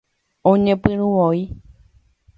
Oñepyrũ voi